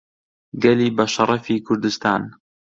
گەلی بەشەڕەفی کوردستان